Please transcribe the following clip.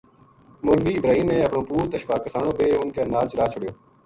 مولوی ابراہیم نے اپنو پُوت اشفاق کسانو بے اِنھ کے نال چلا چھُڑیو